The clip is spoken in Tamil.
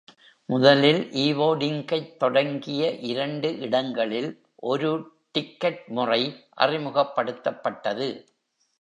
முதலில் ஈவோடிங்கைத் தொடங்கிய இரண்டு இடங்களில், ஒரு "டிக்கெட்" முறை அறிமுகப்படுத்தப்பட்டது.